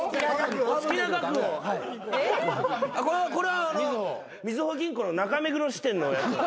これはみずほ銀行の中目黒支店のやつ。